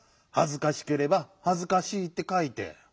はずかしければはずかしいってかいて。